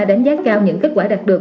đánh giá cao những kết quả đạt được